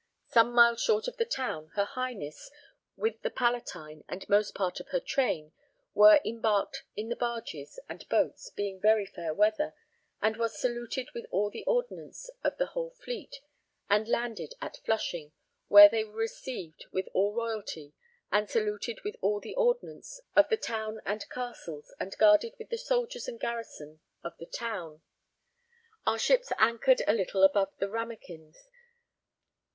Some mile short of the town, her Highness, with the Palatine and most part of her train, were embarked in the barges and boats, being very fair weather, and was saluted with all the ordnance of the whole fleet, and landed at Flushing, where they were received with all royalty and saluted with all the ordnance of the town and castles and guarded with the soldiers and garrison of the town; our ships anchored a little above the Rammekens.